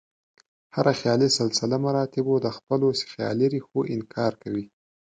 هر خیالي سلسله مراتبو د خپلو خیالي ریښو انکار کوي.